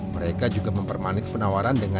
mereka juga mempermanis penawaran dengan